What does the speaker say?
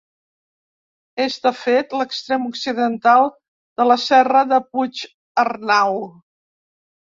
És, de fet, l'extrem occidental de la Serra de Puig-arnau.